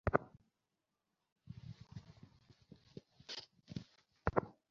চীনের ক্রমবর্ধমান প্রভাবের মোকাবিলায় দেশ দুটির মধ্যে সমঝোতা হিসেবে দেখা হচ্ছে একে।